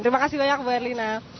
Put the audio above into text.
terima kasih banyak mbak erlina